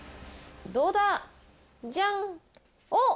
どうだ？じゃん。おっ。